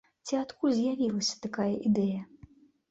Ці адкуль з'явілася такая ідэя?